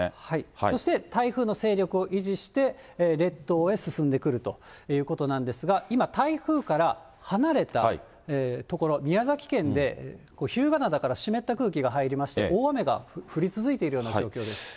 そして台風の勢力を維持して、列島へ進んでくるということなんですが、今、台風から離れた所、宮崎県で日向灘から湿った空気が入りまして、大雨が降り続いているような状況です。